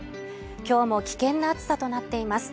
今日も危険な暑さとなっています